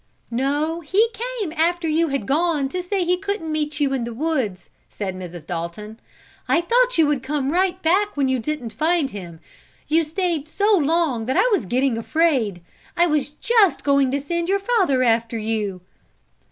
"No, he came, after you had gone, to say he couldn't meet you in the woods," said Mrs. Dalton. "I thought you would come right back when you didn't find him. You stayed so long that I was getting afraid. I was just going to send your father after you."